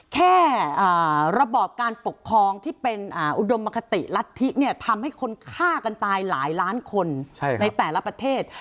แค่ระบอบการปกครองที่เป็นอุดมคติรัฐธิเนี่ยทำให้คนฆ่ากันตายหลายล้านคนในแต่ละประเทศ